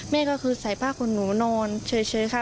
แม่ก็คือใส่ผ้าขนหนูนอนเฉยค่ะ